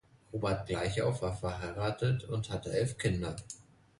Robert Gleichauf war verheiratet und hatte elf Kinder.